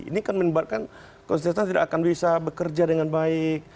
ini kan menyebabkan konsisten tidak akan bisa bekerja dengan baik